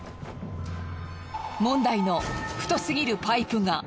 問題の太すぎるパイプが。